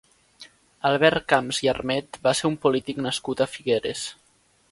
Albert Camps i Armet va ser un polític nascut a Figueres.